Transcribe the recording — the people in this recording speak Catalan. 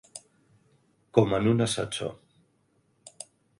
Com en un ascensor.